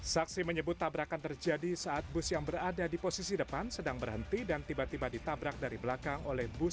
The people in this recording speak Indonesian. saksi menyebut tabrakan terjadi saat bus yang berada di posisi depan sedang berhenti dan tiba tiba ditabrak dari belakang oleh bus